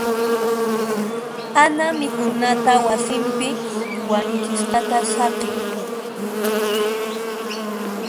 Ana mikhunata wasinpi wank'isqata saqin.